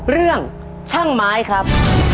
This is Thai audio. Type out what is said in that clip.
เรื่องช่างไม้ครับ